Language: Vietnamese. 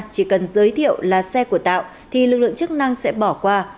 chỉ cần giới thiệu là xe của tạo thì lực lượng chức năng sẽ bỏ qua